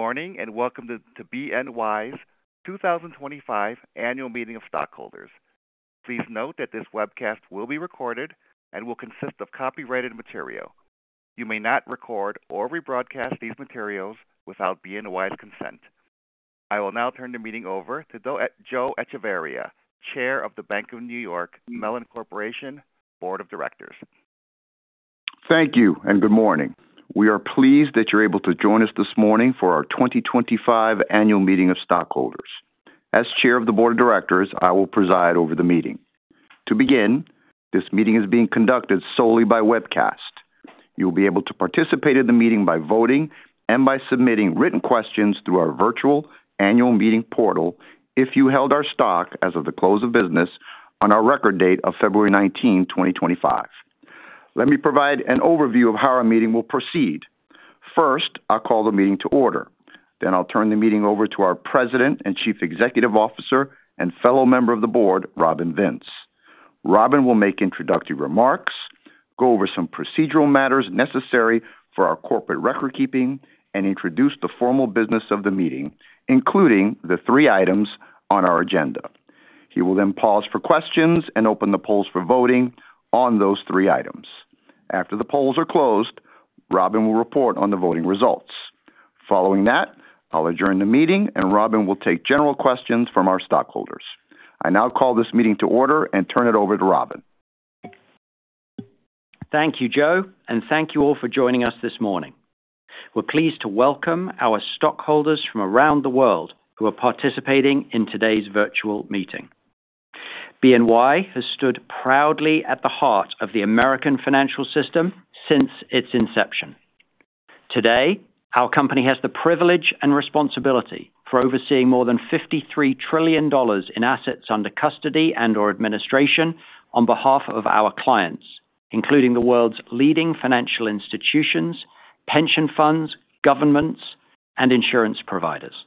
Good morning and welcome to BNY's 2025 Annual Meeting of Stockholders. Please note that this webcast will be recorded and will consist of copyrighted material. You may not record or rebroadcast these materials without BNY's consent. I will now turn the meeting over to Joseph Echevarria, Chair of the Bank of New York Mellon Corporation Board of Directors. Thank you and good morning. We are pleased that you're able to join us this morning for our 2025 Annual Meeting of Stockholders. As Chair of the Board of Directors, I will preside over the meeting. To begin, this meeting is being conducted solely by webcast. You'll be able to participate in the meeting by voting and by submitting written questions through our virtual annual meeting portal if you held our stock as of the close of business on our record date of February 19, 2025. Let me provide an overview of how our meeting will proceed. First, I'll call the meeting to order. Then I'll turn the meeting over to our President and Chief Executive Officer and fellow member of the board, Robin Vince. Robin will make introductory remarks, go over some procedural matters necessary for our corporate record keeping, and introduce the formal business of the meeting, including the three items on our agenda. He will then pause for questions and open the polls for voting on those three items. After the polls are closed, Robin will report on the voting results. Following that, I'll adjourn the meeting and Robin will take general questions from our stockholders. I now call this meeting to order and turn it over to Robin. Thank you, Joseph, and thank you all for joining us this morning. We're pleased to welcome our stockholders from around the world who are participating in today's virtual meeting. BNY has stood proudly at the heart of the American financial system since its inception. Today, our company has the privilege and responsibility for overseeing more than $53 trillion in assets under custody and/or administration on behalf of our clients, including the world's leading financial institutions, pension funds, governments, and insurance providers.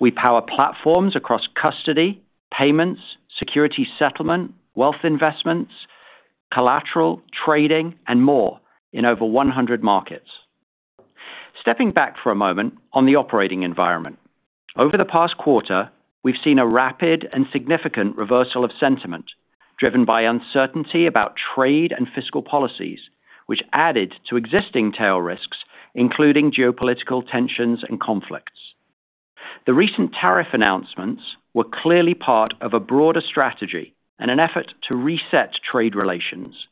We power platforms across custody, payments, security settlement, wealth investments, collateral, trading, and more in over 100 markets. Stepping back for a moment on the operating environment, over the past quarter, we've seen a rapid and significant reversal of sentiment driven by uncertainty about trade and fiscal policies, which added to existing tail risks, including geopolitical tensions and conflicts. The recent tariff announcements were clearly part of a broader strategy and an effort to reset trade relations.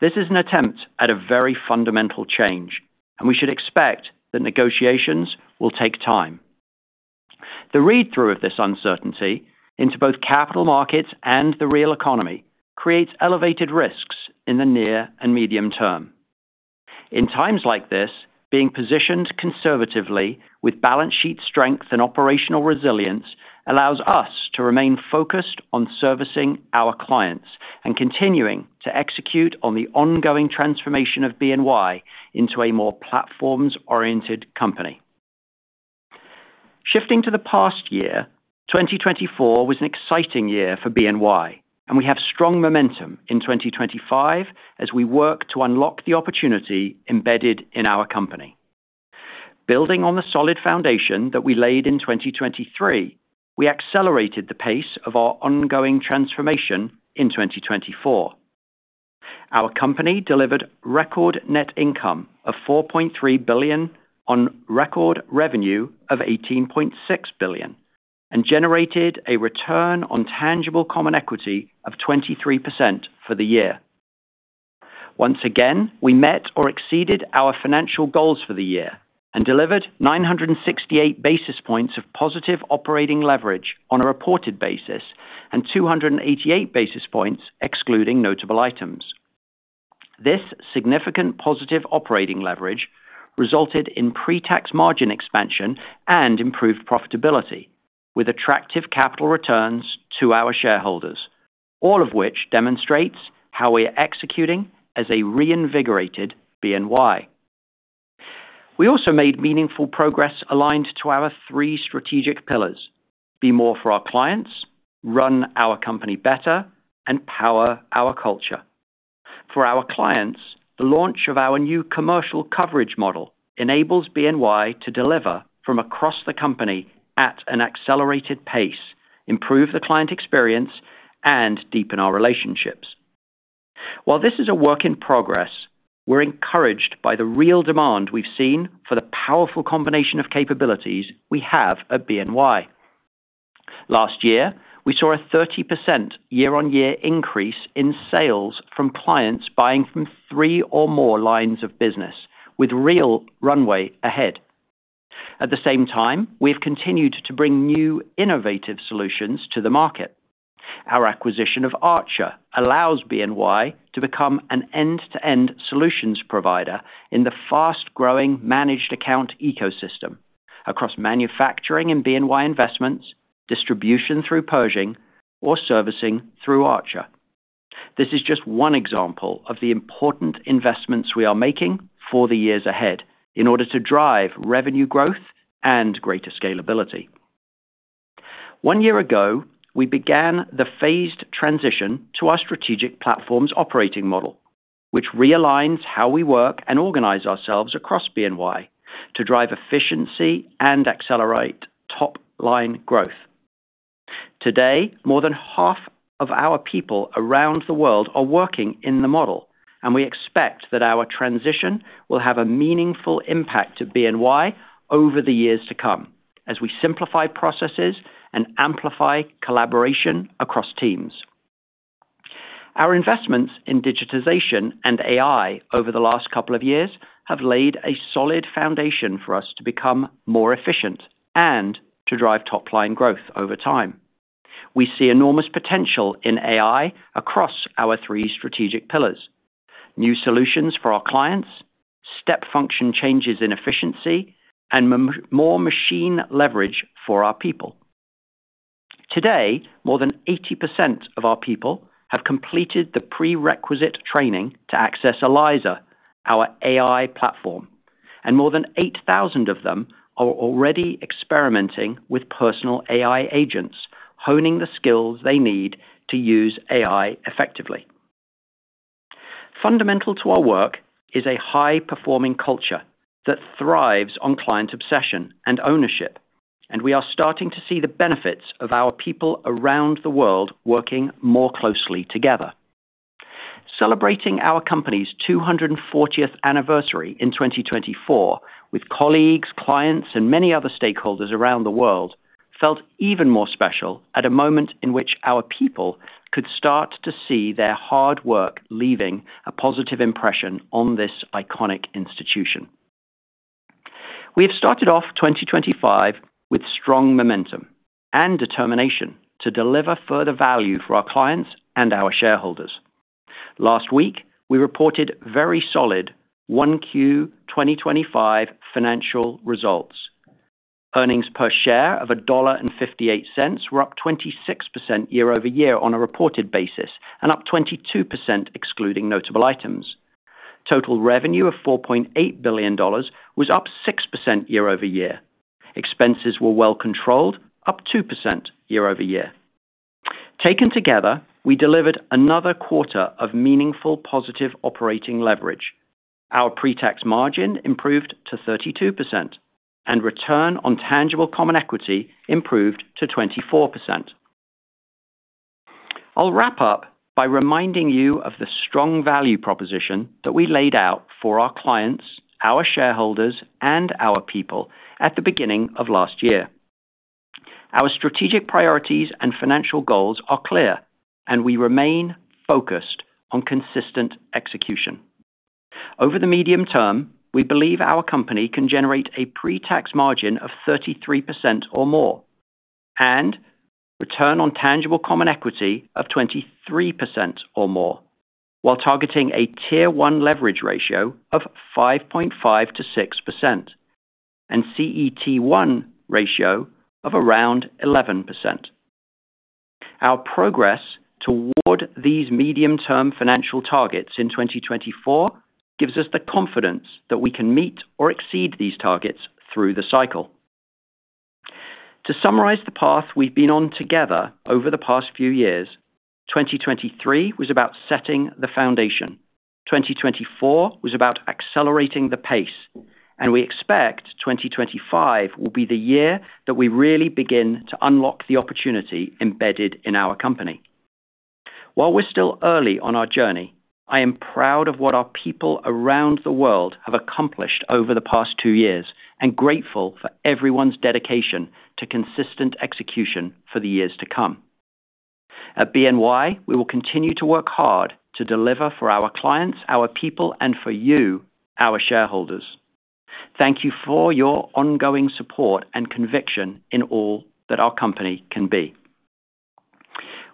This is an attempt at a very fundamental change, and we should expect that negotiations will take time. The read-through of this uncertainty into both capital markets and the real economy creates elevated risks in the near and medium term. In times like this, being positioned conservatively with balance sheet strength and operational resilience allows us to remain focused on servicing our clients and continuing to execute on the ongoing transformation of BNY into a more platforms-oriented company. Shifting to the past year, 2024 was an exciting year for BNY, and we have strong momentum in 2025 as we work to unlock the opportunity embedded in our company. Building on the solid foundation that we laid in 2023, we accelerated the pace of our ongoing transformation in 2024. Our company delivered record net income of $4.3 billion on record revenue of $18.6 billion and generated a return on tangible common equity of 23% for the year. Once again, we met or exceeded our financial goals for the year and delivered 968 basis points of positive operating leverage on a reported basis and 288 basis points excluding notable items. This significant positive operating leverage resulted in pre-tax margin expansion and improved profitability, with attractive capital returns to our shareholders, all of which demonstrates how we are executing as a reinvigorated BNY. We also made meaningful progress aligned to our three strategic pillars: be more for our clients, run our company better, and power our culture. For our clients, the launch of our new commercial coverage model enables BNY to deliver from across the company at an accelerated pace, improve the client experience, and deepen our relationships. While this is a work in progress, we're encouraged by the real demand we've seen for the powerful combination of capabilities we have at BNY. Last year, we saw a 30% year-on-year increase in sales from clients buying from three or more lines of business, with real runway ahead. At the same time, we have continued to bring new innovative solutions to the market. Our acquisition of Archer allows BNY to become an end-to-end solutions provider in the fast-growing managed account ecosystem across manufacturing and BNY investments, distribution through purging, or servicing through Archer. This is just one example of the important investments we are making for the years ahead in order to drive revenue growth and greater scalability. One year ago, we began the phased transition to our strategic platforms operating model, which realigns how we work and organize ourselves across BNY to drive efficiency and accelerate top-line growth. Today, more than half of our people around the world are working in the model, and we expect that our transition will have a meaningful impact on BNY over the years to come as we simplify processes and amplify collaboration across teams. Our investments in digitization and AI over the last couple of years have laid a solid foundation for us to become more efficient and to drive top-line growth over time. We see enormous potential in AI across our three strategic pillars: new solutions for our clients, step function changes in efficiency, and more machine leverage for our people. Today, more than 80% of our people have completed the prerequisite training to access Eliza, our AI platform, and more than 8,000 of them are already experimenting with personal AI agents, honing the skills they need to use AI effectively. Fundamental to our work is a high-performing culture that thrives on client obsession and ownership, and we are starting to see the benefits of our people around the world working more closely together. Celebrating our company's 240th anniversary in 2024 with colleagues, clients, and many other stakeholders around the world felt even more special at a moment in which our people could start to see their hard work leaving a positive impression on this iconic institution. We have started off 2025 with strong momentum and determination to deliver further value for our clients and our shareholders. Last week, we reported very solid 1Q 2025 financial results. Earnings per share of $1.58 were up 26% year-over-year on a reported basis and up 22% excluding notable items. Total revenue of $4.8 billion was up 6% year-over-year. Expenses were well controlled, up 2% year-over-year. Taken together, we delivered another quarter of meaningful positive operating leverage. Our pre-tax margin improved to 32%, and return on tangible common equity improved to 24%. I'll wrap up by reminding you of the strong value proposition that we laid out for our clients, our shareholders, and our people at the beginning of last year. Our strategic priorities and financial goals are clear, and we remain focused on consistent execution. Over the medium term, we believe our company can generate a pre-tax margin of 33% or more, and return on tangible common equity of 23% or more, while targeting a tier-one leverage ratio of 5.5%-6% and CET1 ratio of around 11%. Our progress toward these medium-term financial targets in 2024 gives us the confidence that we can meet or exceed these targets through the cycle. To summarize the path we've been on together over the past few years, 2023 was about setting the foundation, 2024 was about accelerating the pace, and we expect 2025 will be the year that we really begin to unlock the opportunity embedded in our company. While we're still early on our journey, I am proud of what our people around the world have accomplished over the past two years and grateful for everyone's dedication to consistent execution for the years to come. At BNY, we will continue to work hard to deliver for our clients, our people, and for you, our shareholders. Thank you for your ongoing support and conviction in all that our company can be.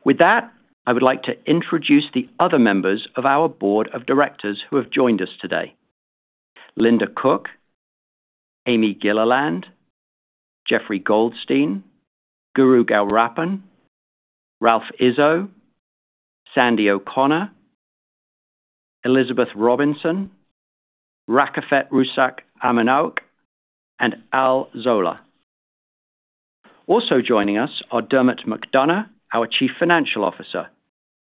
With that, I would like to introduce the other members of our board of directors who have joined us today: Linda Cook, Amy Gilliland, Jeffrey Goldstein, Guru Gowrappan, Ralph Izzo, Sandy O'Connor, Elizabeth Robinson, Rakefet Russak-Aminoach and Al Zola. Also joining us are Dermot McDonogh, our Chief Financial Officer;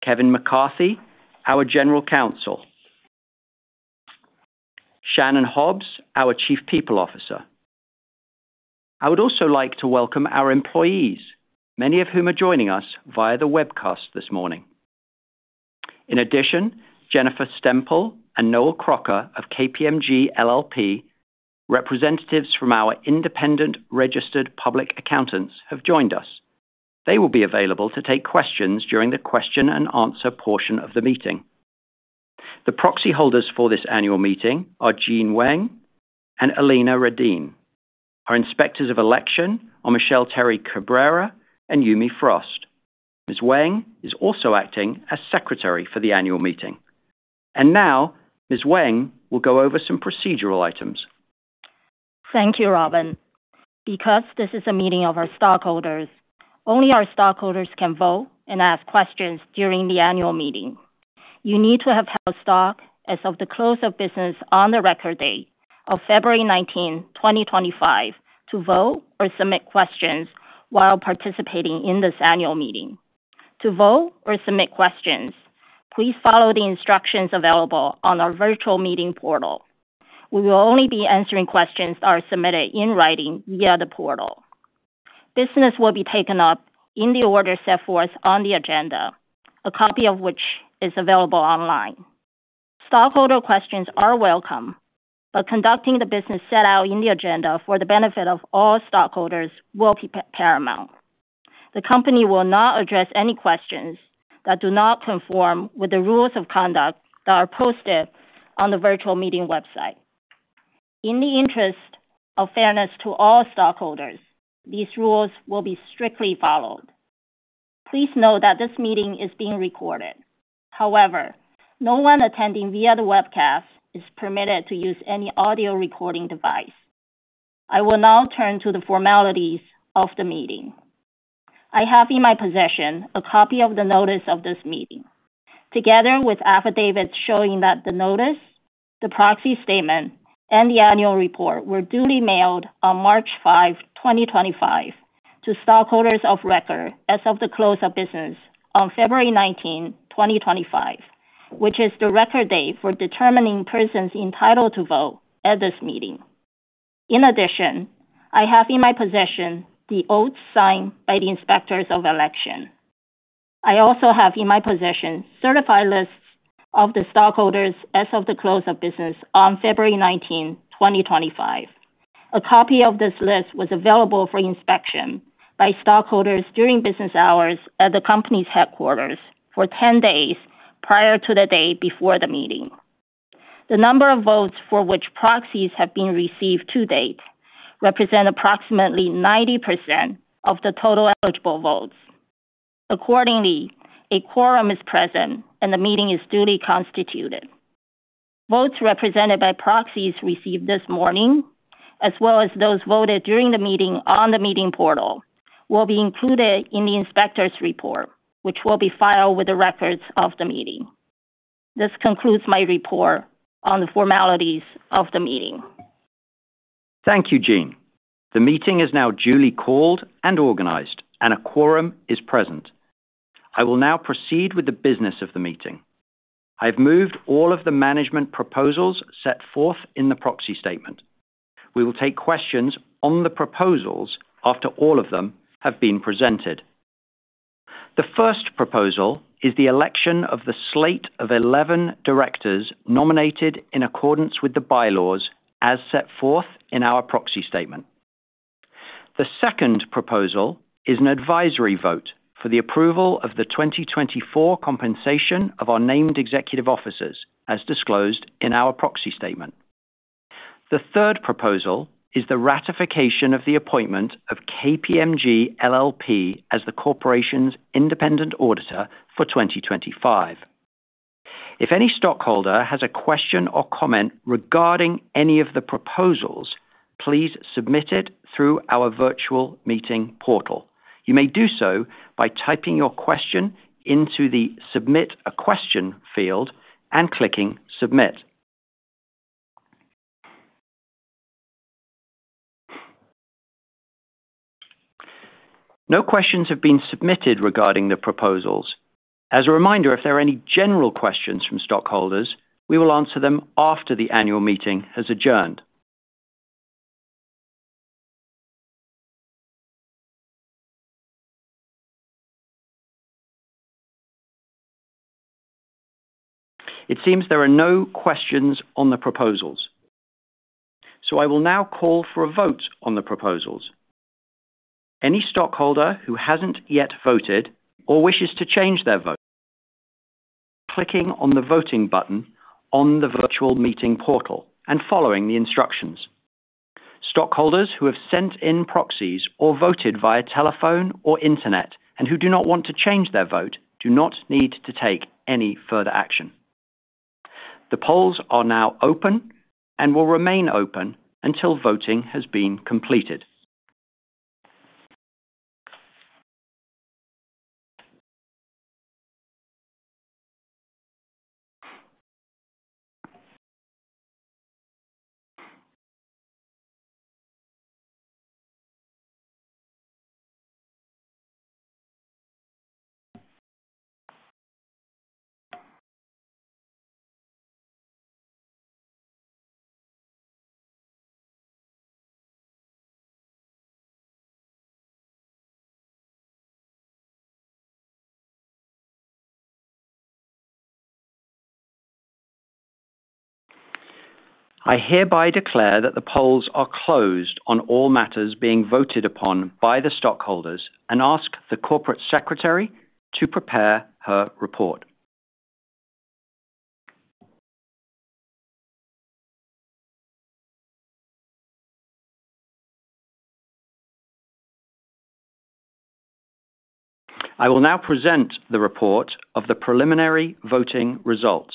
Kevin McCarthy, our General Counsel; Shannon Hobbs, our Chief People Officer. I would also like to welcome our employees, many of whom are joining us via the webcast this morning. In addition, Jennifer Stempel and Noah Crocker of KPMG LLP, representatives from our independent registered public accountants, have joined us. They will be available to take questions during the question-and-answer portion of the meeting. The proxy holders for this annual meeting are Jean Weng and Elena Radin, our Inspectors of Election, Michelle Terry Cabrera and Yumi Frost. Ms. Weng is also acting as Secretary for the annual meeting. Ms. Weng will go over some procedural items. Thank you, Robin. Because this is a meeting of our stockholders, only our stockholders can vote and ask questions during the annual meeting. You need to have held stock as of the close of business on the record day of February 19, 2025, to vote or submit questions while participating in this annual meeting. To vote or submit questions, please follow the instructions available on our virtual meeting portal. We will only be answering questions that are submitted in writing via the portal. Business will be taken up in the order set forth on the agenda, a copy of which is available online. Stockholder questions are welcome, but conducting the business set out in the agenda for the benefit of all stockholders will be paramount. The company will not address any questions that do not conform with the rules of conduct that are posted on the virtual meeting website. In the interest of fairness to all stockholders, these rules will be strictly followed. Please note that this meeting is being recorded. However, no one attending via the webcast is permitted to use any audio recording device. I will now turn to the formalities of the meeting. I have in my possession a copy of the notice of this meeting, together with affidavits showing that the notice, the proxy statement, and the annual report were duly mailed on March 5, 2025, to stockholders of record as of the close of business on February 19, 2025, which is the record day for determining persons entitled to vote at this meeting. In addition, I have in my possession the oath signed by the Inspectors of Election. I also have in my possession certified lists of the stockholders as of the close of business on February 19, 2025. A copy of this list was available for inspection by stockholders during business hours at the company's headquarters for 10 days prior to the day before the meeting. The number of votes for which proxies have been received to date represents approximately 90% of the total eligible votes. Accordingly, a quorum is present, and the meeting is duly constituted. Votes represented by proxies received this morning, as well as those voted during the meeting on the meeting portal, will be included in the Inspectors' report, which will be filed with the records of the meeting. This concludes my report on the formalities of the meeting. Thank you, Jean. The meeting is now duly called and organized, and a quorum is present. I will now proceed with the business of the meeting. I have moved all of the management proposals set forth in the proxy statement. We will take questions on the proposals after all of them have been presented. The first proposal is the election of the slate of 11 directors nominated in accordance with the bylaws as set forth in our proxy statement. The second proposal is an advisory vote for the approval of the 2024 compensation of our named executive officers, as disclosed in our proxy statement. The third proposal is the ratification of the appointment of KPMG LLP as the corporation's independent auditor for 2025. If any stockholder has a question or comment regarding any of the proposals, please submit it through our virtual meeting portal. You may do so by typing your question into the Submit a Question field and clicking Submit. No questions have been submitted regarding the proposals. As a reminder, if there are any general questions from stockholders, we will answer them after the annual meeting has adjourned. It seems there are no questions on the proposals, so I will now call for a vote on the proposals. Any stockholder who has not yet voted or wishes to change their vote may do so by clicking on the voting button on the virtual meeting portal and following the instructions. Stockholders who have sent in proxies or voted via telephone or internet and who do not want to change their vote do not need to take any further action. The polls are now open and will remain open until voting has been completed. I hereby declare that the polls are closed on all matters being voted upon by the stockholders and ask the Corporate Secretary to prepare her report. I will now present the report of the preliminary voting results.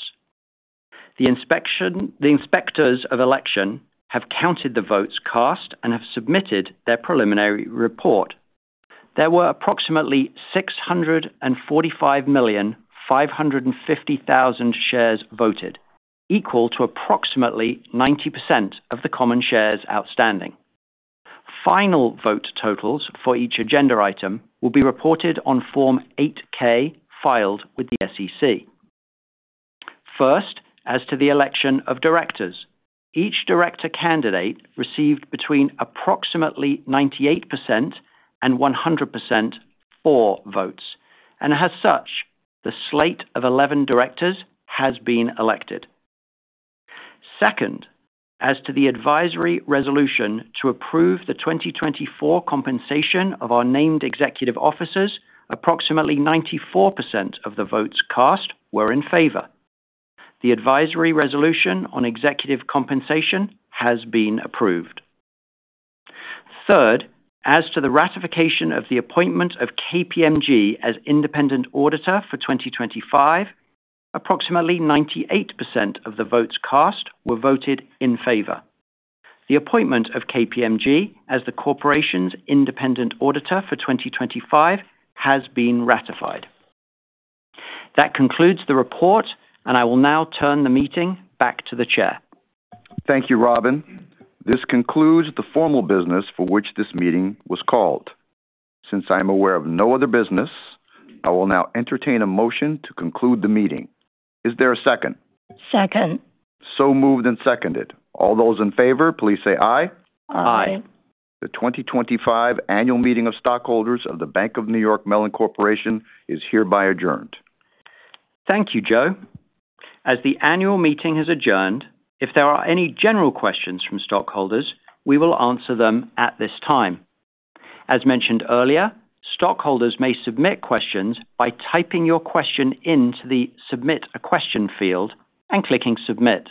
The Inspectors of Election have counted the votes cast and have submitted their preliminary report. There were approximately 645,550,000 shares voted, equal to approximately 90% of the common shares outstanding. Final vote totals for each agenda item will be reported on Form 8K filed with the SEC. First, as to the election of directors, each director candidate received between approximately 98% and 100% for votes, and as such, the slate of 11 directors has been elected. Second, as to the advisory resolution to approve the 2024 compensation of our named executive officers, approximately 94% of the votes cast were in favor. The advisory resolution on executive compensation has been approved. Third, as to the ratification of the appointment of KPMG as independent auditor for 2025, approximately 98% of the votes cast were voted in favor. The appointment of KPMG as the corporation's independent auditor for 2025 has been ratified. That concludes the report, and I will now turn the meeting back to the Chair. Thank you, Robin. This concludes the formal business for which this meeting was called. Since I am aware of no other business, I will now entertain a motion to conclude the meeting. Is there a second? Second. Moved and seconded. All those in favor, please say aye. Aye. Aye. The 2025 Annual Meeting of Stockholders of the Bank of New York Mellon Corporation is hereby adjourned. Thank you, Joseph. As the annual meeting has adjourned, if there are any general questions from stockholders, we will answer them at this time. As mentioned earlier, stockholders may submit questions by typing your question into the Submit a Question field and clicking Submit.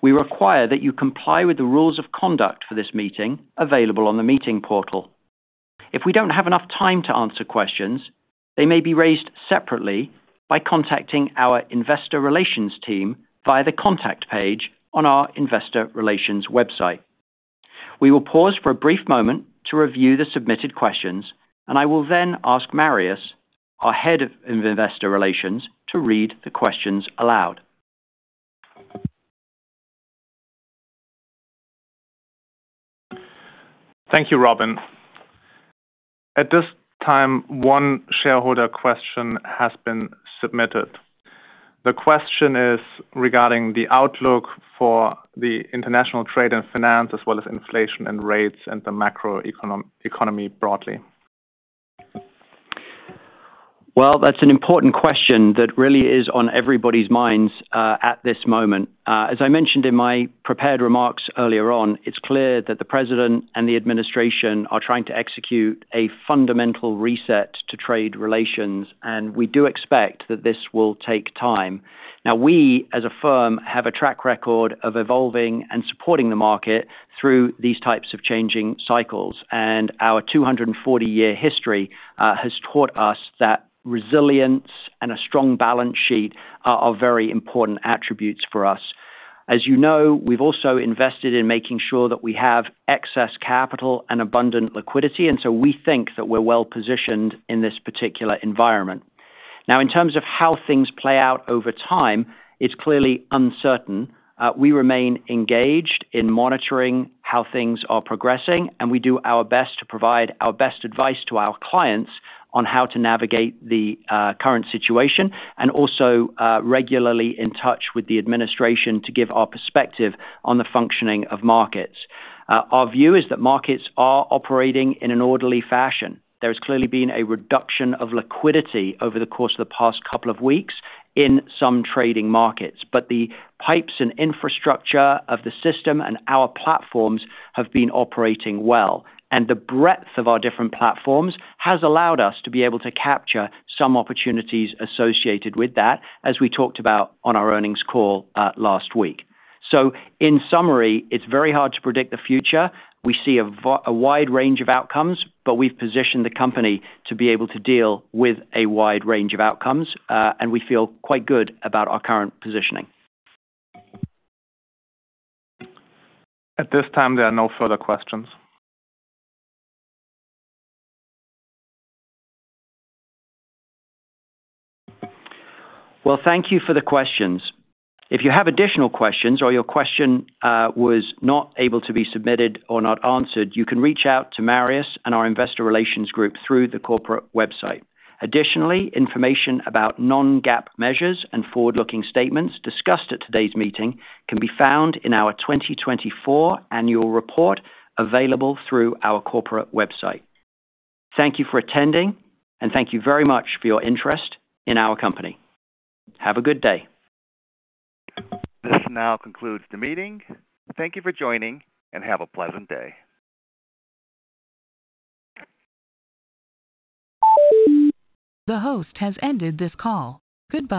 We require that you comply with the rules of conduct for this meeting available on the meeting portal. If we do not have enough time to answer questions, they may be raised separately by contacting our Investor Relations team via the contact page on our Investor Relations website. We will pause for a brief moment to review the submitted questions, and I will then ask Marius, our Head of Investor Relations, to read the questions aloud. Thank you, Robin. At this time, one shareholder question has been submitted. The question is regarding the outlook for international trade and finance, as well as inflation and rates and the macro economy broadly. That is an important question that really is on everybody's minds at this moment. As I mentioned in my prepared remarks earlier on, it is clear that the President and the administration are trying to execute a fundamental reset to trade relations, and we do expect that this will take time. Now, we as a firm have a track record of evolving and supporting the market through these types of changing cycles, and our 240-year history has taught us that resilience and a strong balance sheet are very important attributes for us. As you know, we have also invested in making sure that we have excess capital and abundant liquidity, and we think that we are well positioned in this particular environment. Now, in terms of how things play out over time, it is clearly uncertain. We remain engaged in monitoring how things are progressing, and we do our best to provide our best advice to our clients on how to navigate the current situation and also regularly in touch with the administration to give our perspective on the functioning of markets. Our view is that markets are operating in an orderly fashion. There has clearly been a reduction of liquidity over the course of the past couple of weeks in some trading markets, but the pipes and infrastructure of the system and our platforms have been operating well, and the breadth of our different platforms has allowed us to be able to capture some opportunities associated with that, as we talked about on our earnings call last week. In summary, it's very hard to predict the future. We see a wide range of outcomes, but we've positioned the company to be able to deal with a wide range of outcomes, and we feel quite good about our current positioning. At this time, there are no further questions. Thank you for the questions. If you have additional questions or your question was not able to be submitted or not answered, you can reach out to Marius and our Investor Relations group through the corporate website. Additionally, information about non-GAAP measures and forward-looking statements discussed at today's meeting can be found in our 2024 Annual Report available through our corporate website. Thank you for attending, and thank you very much for your interest in our company. Have a good day. This now concludes the meeting. Thank you for joining, and have a pleasant day. The host has ended this call. Goodbye.